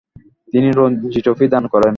তিনি রঞ্জী ট্রফি দান করেন।